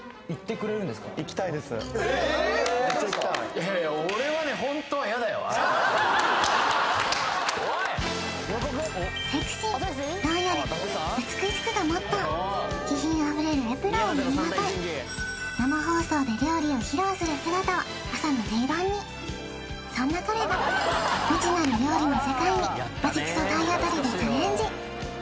めっちゃ行きたいいやいやセクシーロイヤル美しくがモットー気品あふれるエプロンを身にまとい生放送で料理を披露する姿は朝の定番にそんな彼が未知なる料理の世界にバチクソ体当たりでチャレンジ